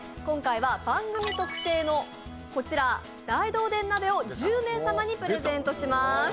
今回は番組特製のこちら大同電鍋を１０名様にプレゼントします